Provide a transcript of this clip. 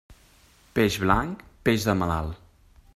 Peix blanc, peix de malalt.